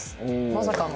まさかの。